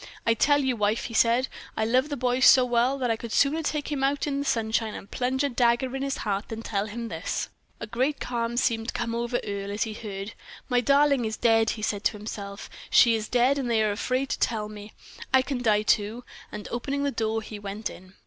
"I tell you, wife," he said, "I love the boy so well that I could sooner take him out in the sunshine and plunge a dagger in his heart than tell him this." A great calm seemed to come over Earle as he heard. "My darling is dead," he said to himself, "she is dead, and they are afraid to tell me. I can die too!" and opening the door he went in.